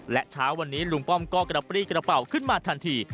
และเช้าวันนี้ลุงป้อมก็กระปรี้กระเป๋าขึ้นมาทันที